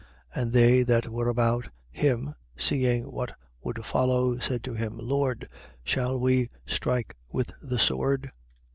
22:49. And they that were about him, seeing what would follow, said to him: Lord, shall we strike with the sword?